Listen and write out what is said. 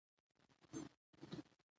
وخت تر سرو زرو ډېر قیمتي دی.